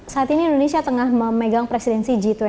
saat ini indonesia tengah memegang presidensi g dua puluh